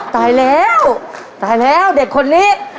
ตายแล้วตายแล้วเด็กคนนี้